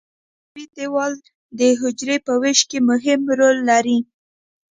حجروي دیوال د حجرې په ویش کې مهم رول لري.